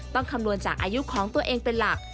คำนวณจากอายุของตัวเองเป็นหลัก